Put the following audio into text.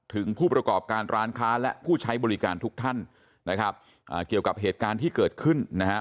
ผู้ประกอบการร้านค้าและผู้ใช้บริการทุกท่านนะครับอ่าเกี่ยวกับเหตุการณ์ที่เกิดขึ้นนะฮะ